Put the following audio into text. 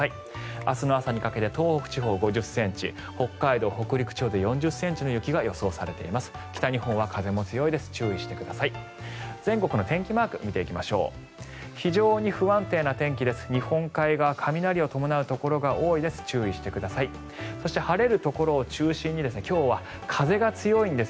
明日の朝にかけて東北地方５０ｃｍ北海道、北陸地方で４０ｃｍの雪が予想されています。